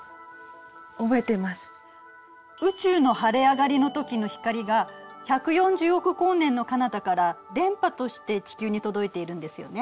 宇宙の晴れ上がりのときの光が１４０億光年のかなたから電波として地球に届いているんですよね。